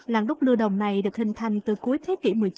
làng đúc lưu đồng này được hình thành từ cuối thế kỷ một mươi chín